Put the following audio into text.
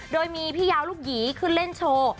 โดยมีพี่ยาวลูกหยีขึ้นเล่นโชว์